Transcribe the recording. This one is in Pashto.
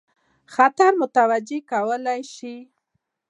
خطر متوجه کولای شي.